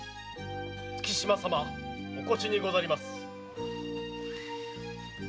月島様お越しにございます。